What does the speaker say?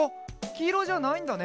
きいろじゃないんだね。